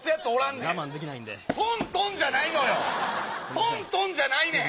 トントンじゃないねん！